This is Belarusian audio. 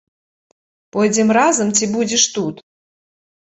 Пойдзем разам ці будзеш тут?